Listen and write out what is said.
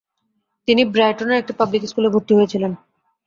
তিনি ব্রাইটনের একটি পাবলিক স্কুলে ভর্তি হয়েছিলেন।